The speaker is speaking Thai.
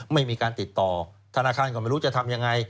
ไม่มีการติดต่อธนาคารก็ไม่รู้จะทำยังไง